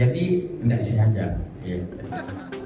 jadi tidak disih saja